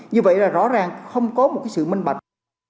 như vậy là rõ ràng không có một sự minh bạch